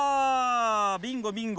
ビンゴビンゴ！